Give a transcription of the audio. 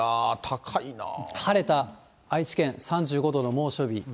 晴れた愛知県、３５度の猛暑日。